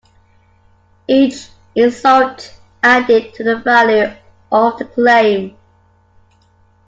Each insult added to the value of the claim.